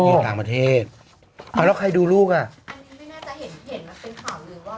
อยู่ต่างประเทศเอาแล้วใครดูลูกอ่ะอันนี้ไม่น่าจะเห็นเห็นเป็นข่าวลือว่า